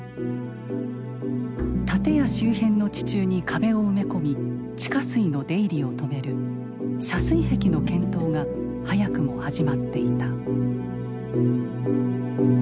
建屋周辺の地中に壁を埋め込み地下水の出入りを止める遮水壁の検討が早くも始まっていた。